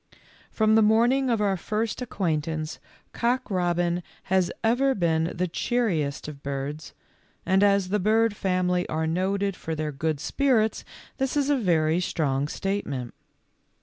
Feom the morning of our first acquaintance Cock robin has ever been the cheeriest of birds, and as the bird family are noted for their good spirits, this is a very strong state ment.